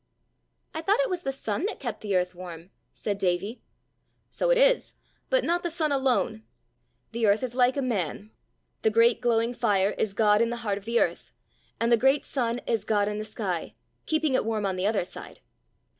"I thought it was the sun that kept the earth warm," said Davie. "So it is, but not the sun alone. The earth is like a man: the great glowing fire is God in the heart of the earth, and the great sun is God in the sky, keeping it warm on the other side.